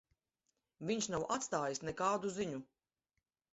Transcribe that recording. Viņš nav atstājis nekādu ziņu.